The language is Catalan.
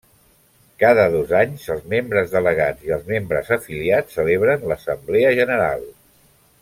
Cada dos anys els membres delegats i els membres afiliats celebren l'assemblea general.